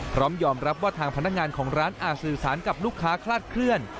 พร้อมยอมรับว่าทางพนักงานของร้านอาจสื่อสารกับลูกค้าคลาดเคลื่อน